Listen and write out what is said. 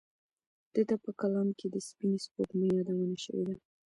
د ده په کلام کې د سپینې سپوږمۍ یادونه شوې ده.